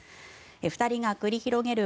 ２人が繰り広げる